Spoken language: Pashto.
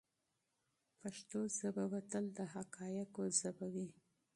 پښتو ژبه به تل د حقایقو ژبه وي.